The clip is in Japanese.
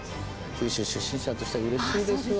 九州出身者としてはうれしいですわ。